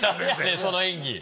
その演技。